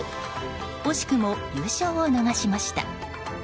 惜しくも優勝を逃しました。